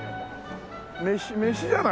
飯飯じゃない？